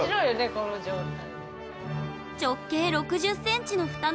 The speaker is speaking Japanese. この状態。